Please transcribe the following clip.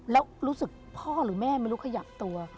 แล้วรู้สึกพ่อหรือแม่ไม่รู้ขยับตัว